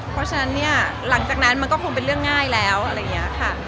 เพราะฉะนั้นเนี่ยหลังจากนั้นมันก็คงเป็นเรื่องง่ายแล้วอะไรอย่างนี้ค่ะ